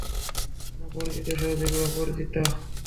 কোন পরিচিত সহযোগী বা পরিচিতি?